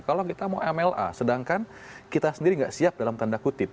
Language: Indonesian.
kalau kita mau mla sedangkan kita sendiri nggak siap dalam tanda kutip